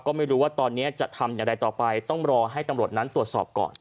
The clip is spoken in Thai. ก็ไม่รู้ว่าตอนนี้จะทำอย่างไรต่อไปต้องรอให้ตำรวจนั้นตรวจสอบก่อน